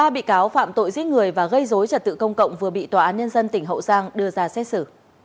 ba bị cáo phạm tội giết người và gây dối trật tự công cộng vừa bị tòa án nhân dân tỉnh hậu giang đưa ra xét xử